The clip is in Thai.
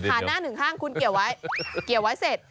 ขาหน้า๑ข้างคุณเกี่ยวไว้เสร็จ